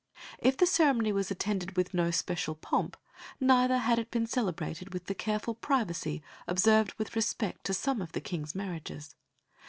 If the ceremony was attended with no special pomp, neither had it been celebrated with the careful privacy observed with respect to some of the King's marriages.